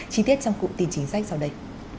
chi tiết trong cụm tin chính sách sau đây